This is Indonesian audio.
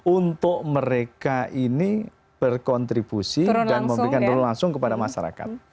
untuk mereka ini berkontribusi dan memberikan dorong langsung kepada masyarakat